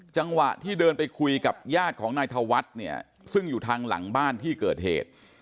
จังหวะที่เดินไปคุยกับญาติของนายธวัฒน์เนี่ยซึ่งอยู่ทางหลังบ้านที่เกิดเหตุ